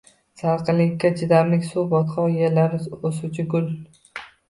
Salqinlikka chidamli suv-botqoq yerlarda o‘suvchi gul.